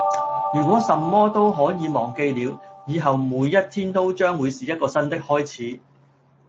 如果什麼都可以忘了，以後的每一天都將會是一個新的開始